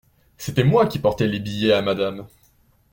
C’était moi qui portais les billets à Madame.